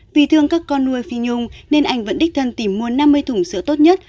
vì thương các con nuôi phi nhung nên anh vẫn đích thân tìm mua năm mươi thùng sữa tốt nhất